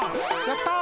やった！